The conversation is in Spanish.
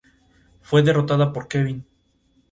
Fue derrotada por Kevin.